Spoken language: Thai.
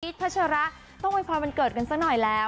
ผลิตพัชระต้องทรงอวยพรมเกิดกันสักหน่อยแล้ว